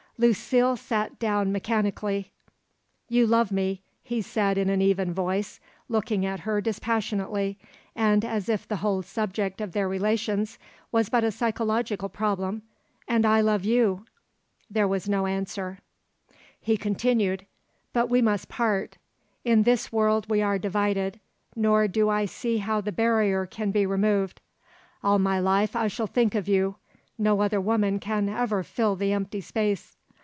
Lucile sat down mechanically. "You love me," he said in an even voice, looking at her dispassionately, and as if the whole subject of their relations was but a psychological problem, "and I love you." There was no answer; he continued: "But we must part. In this world we are divided, nor do I see how the barrier can be removed. All my life I shall think of you; no other woman can ever fill the empty space.